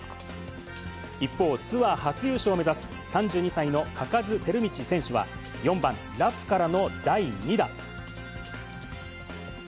一方、ツアー初優勝を目指す３２歳の嘉数光倫選手は、４番ラフからの第２打。